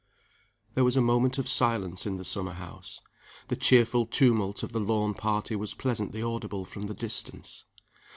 There was a moment of silence in the summer house. The cheerful tumult of the lawn party was pleasantly audible from the distance.